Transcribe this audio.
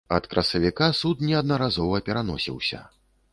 Ад красавіка суд неаднаразова пераносіўся.